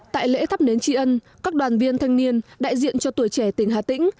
tại lễ thắp nến tri ân các đoàn viên thanh niên đại diện cho tuổi trẻ tỉnh hà tĩnh